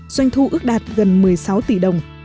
doanh thu ước đạt gần một mươi sáu tỷ đồng